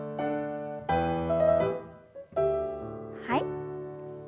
はい。